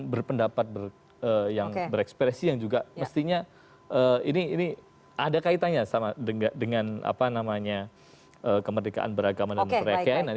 berpendapat berekspresi yang juga mestinya ini ada kaitannya dengan kemerdekaan beragama dan perakyainan